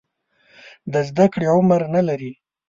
د زده کړې عمر نه لري.